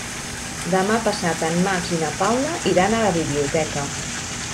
Demà passat en Max i na Paula iran a la biblioteca.